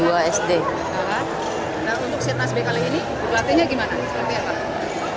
nah untuk sirnas b kali ini berlatihnya gimana seperti apa